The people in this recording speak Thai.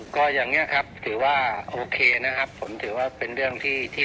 ก็อย่างนี้ครับถือว่าโอเคนะครับผมถือว่าเป็นเรื่องที่